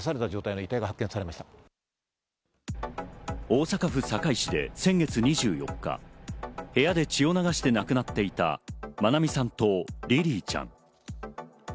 大阪府堺市で先月２４日、部屋で血を流して亡くなっていた愛美さんとリリィちゃん。